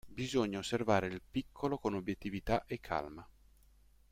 Bisogna osservare il piccolo con obiettività e calma.